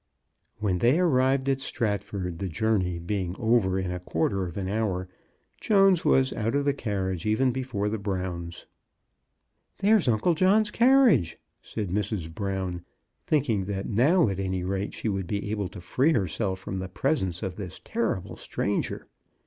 When they arrived at Stratford, the journey being over in a quarter of an hour, Jones was out of the carriage even before the Browns. There is Uncle John's carriage," said Mrs. Brown, thinking that now, at any rate, she would be able to free herself from the presence of this terrible stranger.